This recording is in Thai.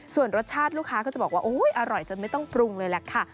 ส่วนรสชาติลูกค้าก็จะบอกว่าอร่อยจนไม่ต้องปรุงเลยแหละค่ะ